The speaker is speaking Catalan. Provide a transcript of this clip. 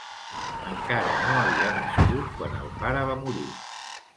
Encara no havia nascut quan el pare va morir.